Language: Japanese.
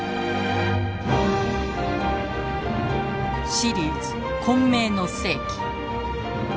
シリーズ「混迷の世紀」。